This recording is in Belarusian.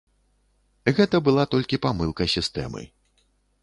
Гэта была толькі памылка сістэмы.